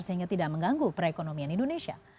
sehingga tidak mengganggu perekonomian indonesia